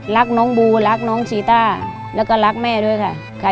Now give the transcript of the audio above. รักน้องบูรักน้องชีต้าแล้วก็รักแม่ด้วยค่ะ